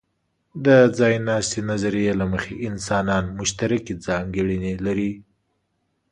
د ځایناستې نظریې له مخې، انسانان مشترکې ځانګړنې لري.